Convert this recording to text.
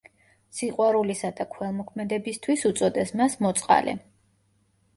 სიყვარულისა და ქველმოქმედებისთვის უწოდეს მას „მოწყალე“.